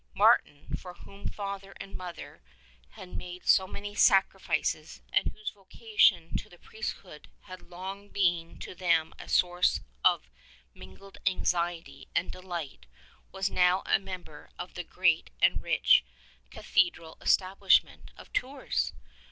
Martin, for whom father and mother had made so many sacrifices and whose vocation tO' the priest hood had long been to them a source of mingled anxiety and delight, was now a member of the great and rich cathe dral establishment of Tours!